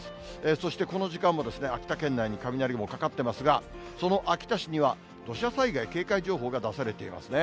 そしてこの時間も、秋田県内に雷雲かかってますが、その秋田市には、土砂災害警戒情報が出されていますね。